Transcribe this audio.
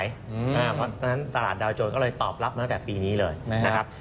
เพราะฉะนั้นตลาดดาวโจรก็เลยตอบรับมาตั้งแต่ปีนี้เลยนะครับ